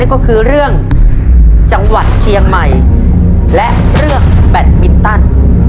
ก็คือเรื่องจังหวัดเชียงใหม่และเรื่องแบตมินตัน